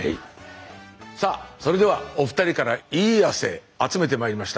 さあそれではお二人からいい汗集めてまいりました。